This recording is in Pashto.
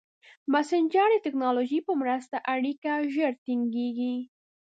مسېنجر د ټکنالوژۍ په مرسته اړیکه ژر ټینګېږي.